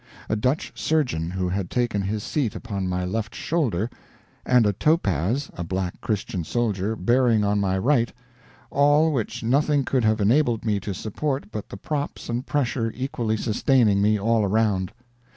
A Dutch surgeon who had taken his seat upon my left shoulder, and a Topaz (a black Christian soldier) bearing on my right; all which nothing could have enabled me to support but the props and pressure equally sustaining me all around.